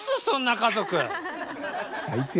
そんな家族。